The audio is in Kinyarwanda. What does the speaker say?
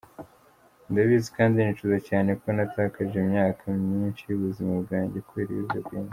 Ndabizi kandi nicuza cyane ko natakaje imyaka myinshi y’ubuzima bwanjye kubera ibiyobyabwenge.